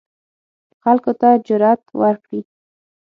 خلکو ته جرئت ورکړي